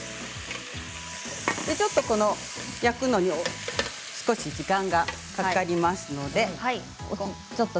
ちょっと焼くのに少し時間がかかりますので。